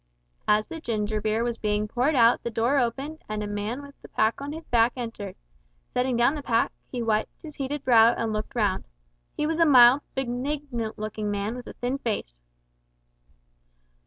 As the ginger beer was being poured out the door opened, and a man with a pack on his back entered. Setting down the pack, he wiped his heated brow and looked round. He was a mild, benignant looking man, with a thin face.